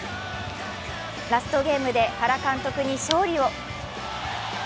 ラストゲームで原監督に勝利を。